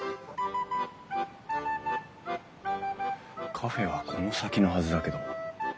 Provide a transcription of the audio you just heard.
カフェはこの先のはずだけど。